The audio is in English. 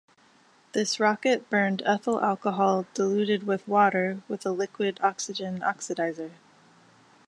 This rocket burned ethyl alcohol diluted with water with a liquid oxygen oxidizer.